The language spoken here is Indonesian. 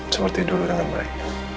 seperti dulu dengan baik